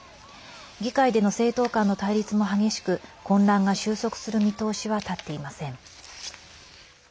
議会での政党間の対立も激しく混乱が収束する見通しは立っていません。